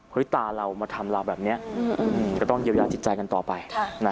ตาเรามาทำเราแบบนี้ก็ต้องเยียวยาจิตใจกันต่อไป